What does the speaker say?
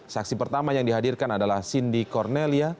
saksi pertama yang dihadirkan adalah cindy cornelia